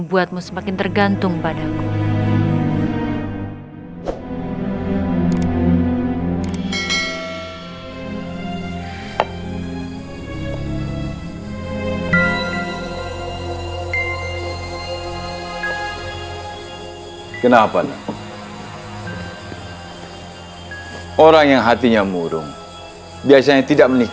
bagus kalau kau merasa tahu diri reganis